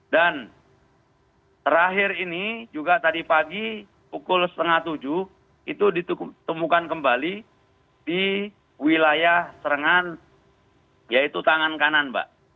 dan terakhir ini juga tadi pagi pukul setengah tujuh itu ditemukan kembali di wilayah serengan yaitu tangan kanan mbak